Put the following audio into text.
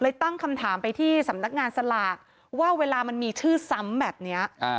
ตั้งคำถามไปที่สำนักงานสลากว่าเวลามันมีชื่อซ้ำแบบนี้